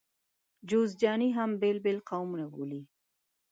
جوزجاني هم بېل بېل قومونه بولي.